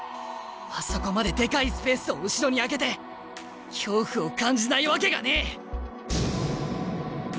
あそこまででかいスペースを後ろに空けて恐怖を感じないわけがねえ！